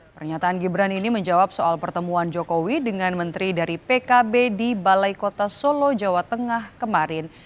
pernyataan gibran ini menjawab soal pertemuan jokowi dengan menteri dari pkb di balai kota solo jawa tengah kemarin